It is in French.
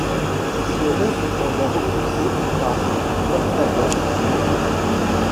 Ils seront cependant repoussés par Pentagón Jr..